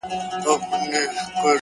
زما د ژوند د كرسمې خبري،